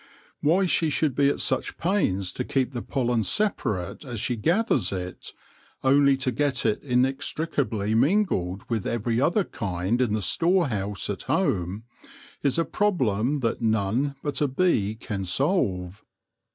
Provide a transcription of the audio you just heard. Why she should be at such pains to keep the pollen separate as she gathers it, only to get it inextricably mingled with every other kind in the storehouse at home, is a problem that none but a bee can solve.